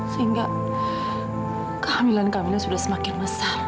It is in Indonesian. sehingga kehamilan kehamilan sudah semakin besar